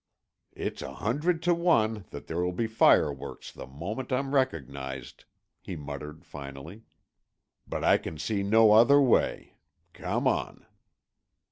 "It's a hundred to one that there will be fireworks the moment I'm recognized," he muttered finally. "But I can see no other way. Come on."